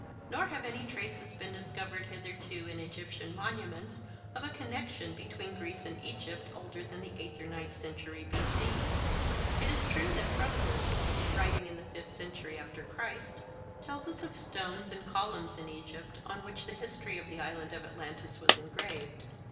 Nor have any traces been discovered hitherto in Egyptian monuments of a connexion between Greece and Egypt older than the eighth or ninth century B.C. It is true that Proclus, writing in the fifth century after Christ, tells us of stones and columns in Egypt on which the history of the Island of Atlantis was engraved.